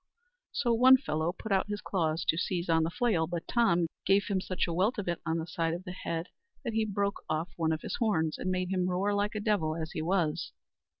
So one fellow put out his claws to seize on the flail, but Tom give him such a welt of it on the side of the head that he broke off one of his horns, and made him roar like a devil as he was.